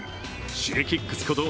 Ｓｈｉｇｅｋｉｘこと